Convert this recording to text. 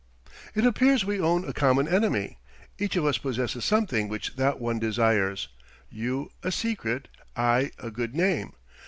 "It appears we own a common enemy. Each of us possesses something which that one desires you a secret, I a good name.